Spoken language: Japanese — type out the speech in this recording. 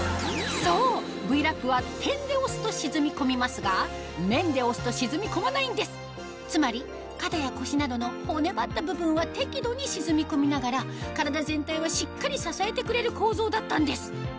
そうＶ−Ｌａｐは点で押すと沈み込みますが面で押すと沈み込まないんですつまり肩や腰などの骨ばった部分は適度に沈み込みながら体全体はしっかり支えてくれる構造だったんです